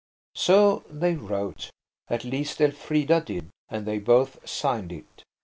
So they wrote. At least Elfrida did, and they both signed it.